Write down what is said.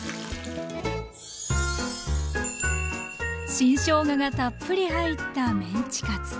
新しょうががたっぷり入ったメンチカツ。